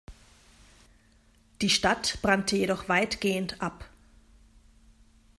Die Stadt brannte jedoch weitgehend ab.